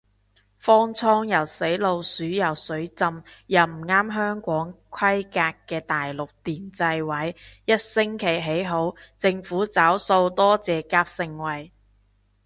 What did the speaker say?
方艙又死老鼠又水浸又唔啱香港規格嘅大陸電掣位，一星期起好，政府找數多謝夾盛惠